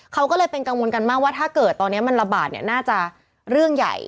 เขาก็เลยเป็นกังวลกันมากว่าถ้าเกิดตอนนี้มันระบาดเนี่ยน่าจะเรื่องใหญ่